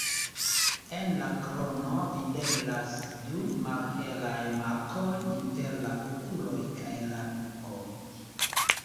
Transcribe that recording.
En la krono videblas du malhelaj markoj inter la okuloj kaj la nuko.